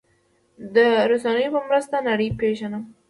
زه د رسنیو په مرسته نړۍ پېژنم.